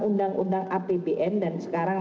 undang undang apbn dan sekarang